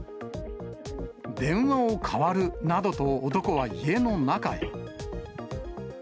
電話を代わるなどと、男は家の中へ。